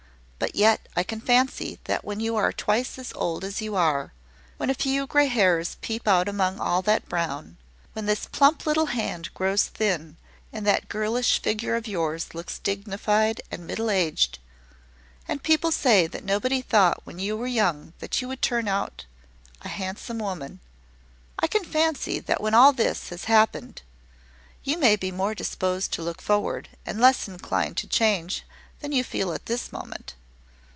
But yet I can fancy that when you are twice as old as you are when a few grey hairs peep out among all that brown when this plump little hand grows thin, and that girlish figure of yours looks dignified and middle aged, and people say that nobody thought when you were young that you would turn out a handsome woman I can fancy that when all this has happened, you may be more disposed to look forward, and less disinclined to change, than you feel at this moment.